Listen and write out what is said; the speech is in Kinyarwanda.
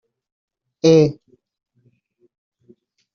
e